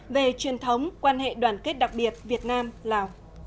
về truyền thống quan hệ đoàn kết đặc biệt việt nam lào